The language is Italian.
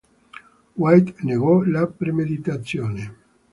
White negò la premeditazione.